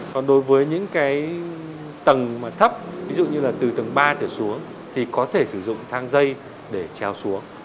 còn đối với những tầng thấp ví dụ như từ tầng ba thể xuống thì có thể sử dụng thang dây để treo xuống